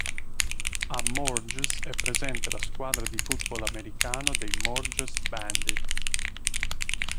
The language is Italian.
A Morges è presente la squadra di football americano dei Morges Bandits.